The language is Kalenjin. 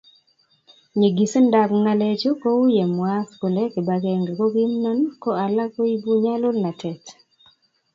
Nyigisindab ngalechu kouye mwaat kole kibagenge ko kimnon ko alak koibu nyalulnatet